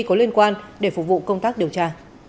có liên quan để phục vụ công tác điều tra